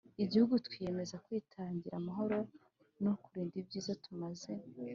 igihugu, twiyemeza kwitangira amahoro no kurinda ibyiza tumaze